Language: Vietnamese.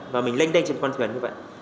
và mình lênh đênh trên con thuyền như vậy